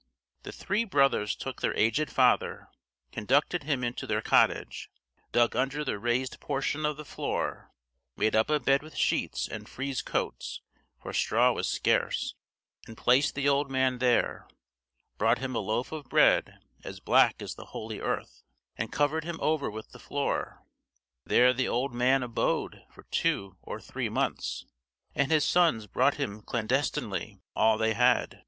The three brothers took their aged father, conducted him into their cottage, dug under the raised portion of the floor, made up a bed with sheets and frieze coats, for straw was scarce, and placed the old man there, brought him a loaf of bread as black as the holy earth, and covered him over with the floor. There the old man abode for two or three months, and his sons brought him clandestinely all they had.